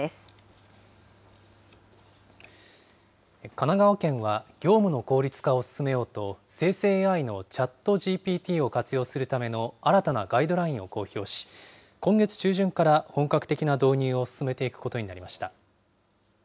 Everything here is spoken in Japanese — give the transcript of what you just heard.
神奈川県は、業務の効率化を進めようと、生成ＡＩのＣｈａｔＧＰＴを活用するための新たなガイドラインを公表し、今月中旬から本格的な導入を進めていくことになりました。